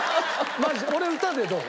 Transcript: マジ俺歌でどう？